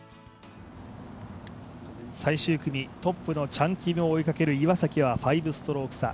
最終組、トップのチャン・キムを追いかける岩崎は５ストローク差。